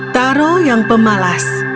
taro yang pemalas